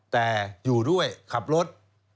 แต่อยู่ด้วยขับรถ